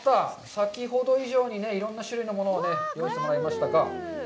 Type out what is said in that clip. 先ほど以上にいろんな種類のものを用意してもらいましたが。